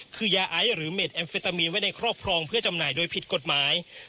คือยาไอหรือเม็ดแอมเฟตามีนไว้ในครอบครองเพื่อจำหน่ายโดยผิดกฎหมาย